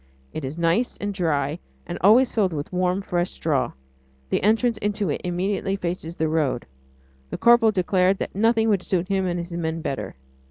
It is nice and dry, and always filled with warm, fresh straw. The entrance into it immediately faces the road; the corporal declared that nothing would suit him and his men better.